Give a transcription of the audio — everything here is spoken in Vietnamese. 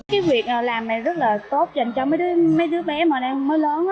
cái việc làm này rất là tốt dành cho mấy đứa bé mà đang mới lớn